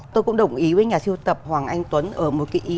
tôi cũng đồng ý với nhà siêu tập hoàng anh tuấn ở một cái ý